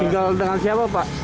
tinggal dengan siapa pak